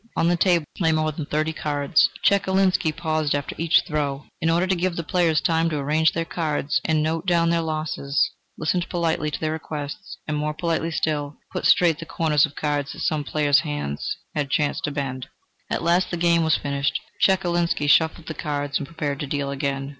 On the table lay more than thirty cards. Chekalinsky paused after each throw, in order to give the players time to arrange their cards and note down their losses, listened politely to their requests, and more politely still, put straight the corners of cards that some player's hand had chanced to bend. At last the game was finished. Chekalinsky shuffled the cards and prepared to deal again.